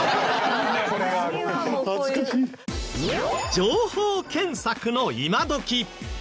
情報検索の今どき。